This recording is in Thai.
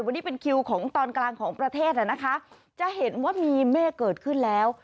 วันนี้เป็นคิวของตอนกลางของประเทศนะคะจะเห็นว่ามีเมฆเกิดขึ้นแล้ว